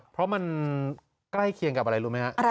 เพราะมันใกล้เคียงกับอะไรรู้ไหมฮะ